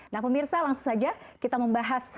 nah pemirsa langsung saja kita membahas